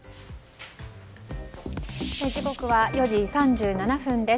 時刻は４時３７分です。